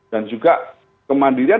dan juga kemandirian